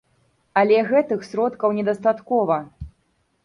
Але гэтых сродкаў недастаткова.